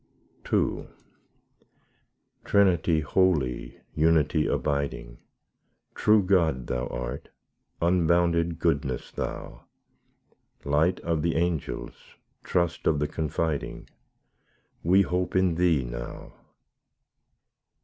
II Trinity Holy, Unity abiding, True God Thou art, unbounded goodness Thou, Light of the angels, trust of the confiding, We hope in Thee now.